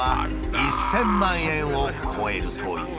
１，０００万円を超えるという。